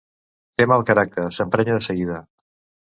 Té mal caràcter: s'emprenya de seguida.